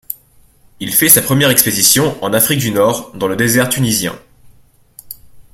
Il fait sa première expédition en Afrique du Nord dans le désert tunisien.